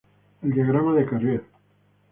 El diagrama de Carrier.